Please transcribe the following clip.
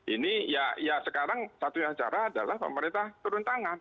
ini ya sekarang satu yang cara adalah pemerintah turun tangan